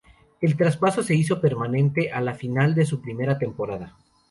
El traspaso se hizo permanente al final de su primera temporada.